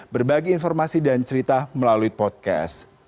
berbagi informasi dan cerita melalui podcast